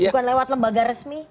bukan lewat lembaga resmi